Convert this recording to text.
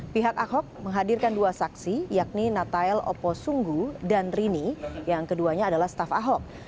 pihak ahok menghadirkan dua saksi yakni natael oposunggu dan rini yang keduanya adalah staf ahok